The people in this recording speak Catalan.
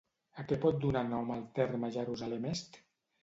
A què pot donar nom el terme Jerusalem Est?